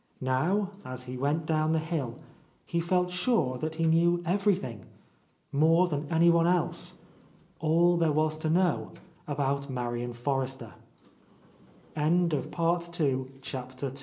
Now, as he went down the hill, he felt sure that he knew everything; more than anyone else ; all there was to know about Marian Forrester.